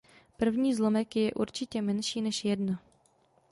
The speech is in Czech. První zlomek je určitě menší než jedna.